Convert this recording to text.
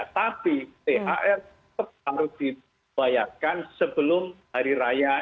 tapi thr harus dibayarkan sebelum hari raya itu dilaksanakan